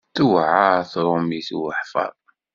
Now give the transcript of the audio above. Tuɛeṛ tṛumit i weḥfaḍ.